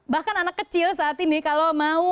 bahkan anak kecil saat ini kalau mau